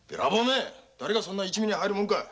だれがそんな一味に入るもんかい！